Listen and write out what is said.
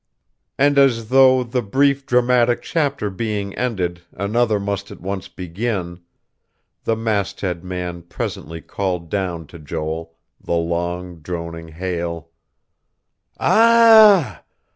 And as though, the brief, dramatic chapter being ended, another must at once begin, the masthead man presently called down to Joel the long, droning hail: "Ah h h h!